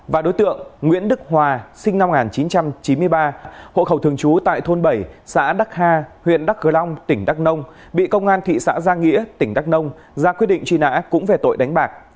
và đối tượng nguyễn đức hòa sinh năm một nghìn chín trăm chín mươi ba hộ khẩu thường trú tại thôn bảy xã đắc ha huyện đắk cơ long tỉnh đắk nông bị công an thị xã giang nghĩa tỉnh đắk nông ra quyết định truy nã cũng về tội đánh bạc